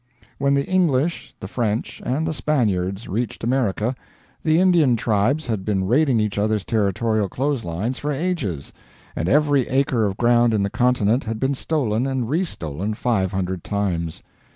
When the English, the French, and the Spaniards reached America, the Indian tribes had been raiding each other's territorial clothes lines for ages, and every acre of ground in the continent had been stolen and re stolen 500 times.